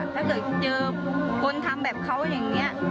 ถ้าเกิดเจอคนทำแบบเขาอย่างนี้